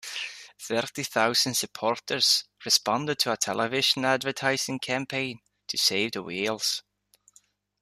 Thirty thousand supporters responded to a television advertising campaign to 'Save the Whales'.